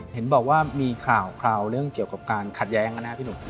เห็นบอกว่ามีข่าวเรื่องเกี่ยวกับการขัดแย้งนะครับพี่หนุ่ม